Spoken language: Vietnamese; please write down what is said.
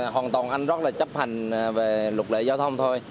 hoàn toàn anh rất là chấp hành về luật lệ giao thông thôi